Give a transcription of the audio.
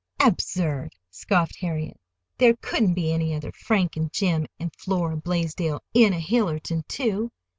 "Absurd!" scoffed Harriet. "There couldn't be any other Frank and Jim and Flora Blaisdell, in a Hillerton, too.